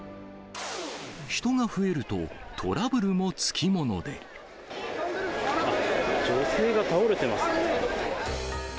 人が増えると、女性が倒れてますね。